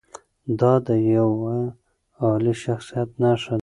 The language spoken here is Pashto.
دا د یوه عالي شخصیت نښه ده.